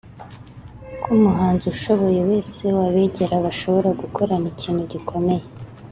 ko umuhanzi ubishoboye wese wabegera bashobora gukorana ikintu gikomeye